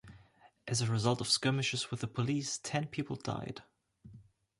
As a result of skirmishes with the police, ten people died.